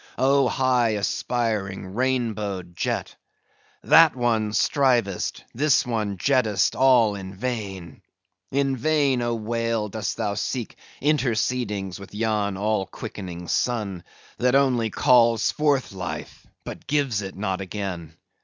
Oh, high aspiring, rainbowed jet!—that one strivest, this one jettest all in vain! In vain, oh whale, dost thou seek intercedings with yon all quickening sun, that only calls forth life, but gives it not again.